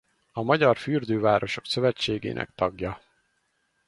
A Magyar Fürdővárosok Szövetségének tagja.